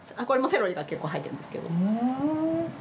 これもセロリが結構入ってますけど。